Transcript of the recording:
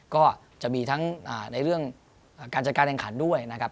ก็จะมีทั้งในเรื่องการจัดการแข่งขันด้วยนะครับ